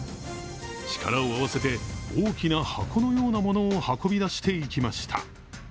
力を合わせて大きな箱のようなものを運び出していきました。